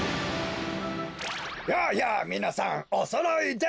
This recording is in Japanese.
やあやあみなさんおそろいで！